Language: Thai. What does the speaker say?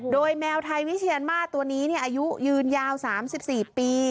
โดยแมวไทยวิเชียนมาร์ตัวนี้อายุยืนยาว๓๔ปี